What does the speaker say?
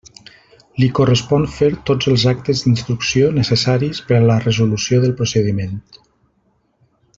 Li correspon fer tots els actes d'instrucció necessaris per a la resolució del procediment.